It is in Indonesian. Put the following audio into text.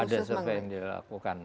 ada survei yang dilakukan